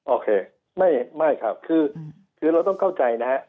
โอเคไม่ครับคือเราต้องเข้าใจนะฮะ